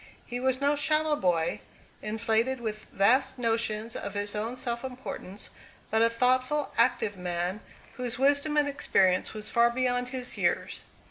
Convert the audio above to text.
He was no shallow boy, inflated with vast notions of his own self importance, but a thoughtful, active man, whose wisdom and experience were far beyond his years.